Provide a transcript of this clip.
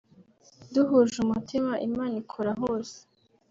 duhuje umutima Imana ikora hose